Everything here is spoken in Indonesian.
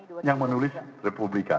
republika yang menulis republika